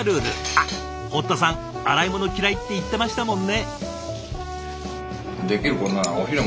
あっ堀田さん洗い物嫌いって言ってましたもんね。